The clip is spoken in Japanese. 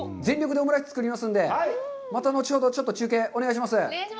後ほど全力でオムライス作りますので、また後ほど、ちょっと中継、お願いします。